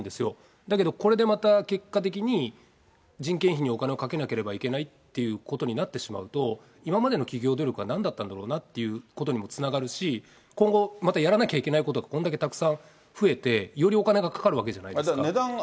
だけどこれでまた、結果的に人件費にお金をかけなければいけないってことになってしまうと、今までの企業努力はなんだったんだろうなってことにもつながるし、今後、またやらなきゃいけないことがこれだけたくさん増えて、よりお金がかかるわけじゃないですか。